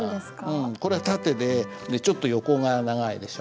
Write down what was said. うんこれは縦でちょっと横が長いでしょ。